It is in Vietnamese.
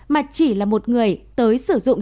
mà chỉ là một người tới sử dụng